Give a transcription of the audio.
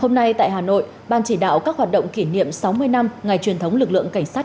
hôm nay tại hà nội ban chỉ đạo các hoạt động kỷ niệm sáu mươi năm ngày truyền thống lực lượng cảnh sát